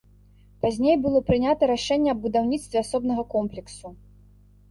Пазней было прынята рашэнне аб будаўніцтве асобнага комплексу.